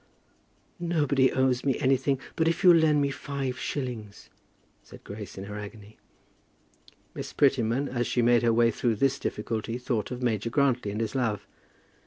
"Nobody owes me anything; but if you'll lend me five shillings!" said Grace, in her agony. Miss Prettyman, as she made her way through this difficulty, thought of Major Grantly and his love.